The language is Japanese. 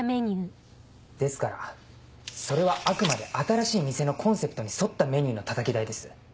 ですからそれはあくまで新しい店のコンセプトに沿ったメニューのたたき台です。